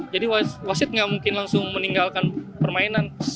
jadi wasit gak mungkin langsung meninggalkan permainan